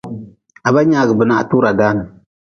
Ha ba nyaagʼbe na ha tura dan.